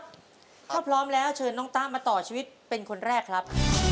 ถ้าพร้อมแล้วเชิญน้องตะมาต่อชีวิตเป็นคนแรกครับ